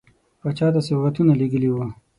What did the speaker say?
پاچا ته سوغاتونه لېږلي وه.